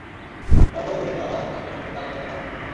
তার পরও ধরে নেওয়া যাক, চাপের সঙ্গে তাল মেলাতে পারেননি তিনজনই।